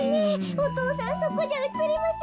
お父さんそこじゃうつりませんよ。